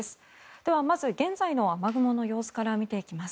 では、まず現在の雨雲の様子から見ていきます。